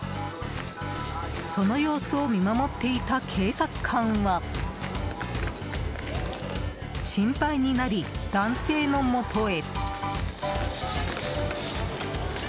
その様子を見守っていた警察官は心配になり、男性のもとへ。